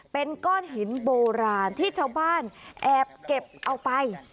เป็นก้อนหินโบราณที่ชาวบ้านแอบเก็บเอาไป